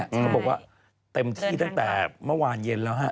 เขาบอกว่าเต็มที่ตั้งแต่เมื่อวานเย็นแล้วฮะ